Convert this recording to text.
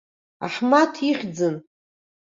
Аҳмаҭ ихьӡын.